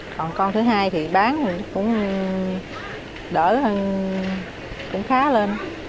còn con thứ hai thì bán cũng đỡ hơn cũng khá lên